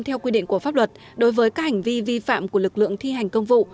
theo quy định của pháp luật đối với các hành vi vi phạm của lực lượng thi hành công vụ